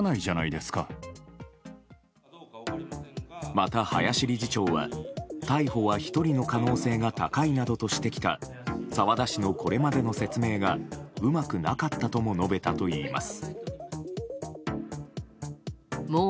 また林理事長は、逮捕は１人の可能性が高いなどとしてきた澤田氏のこれまでの説明がうまくなかったとも述べたといいます。